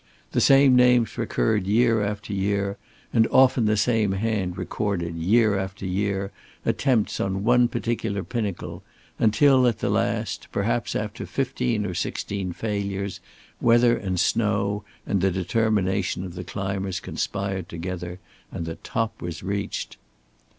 The same names recurred year after year, and often the same hand recorded year after year attempts on one particular pinnacle, until at the last, perhaps after fifteen or sixteen failures, weather and snow and the determination of the climbers conspired together, and the top was reached.